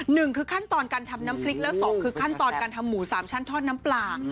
หนึ่งคือขั้นตอนการทำน้ำพริกแล้วสองคือขั้นตอนการทำหมูสามชั้นทอดน้ำปลา